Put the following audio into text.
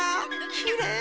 きれい。